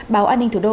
báo an ninh thủ đô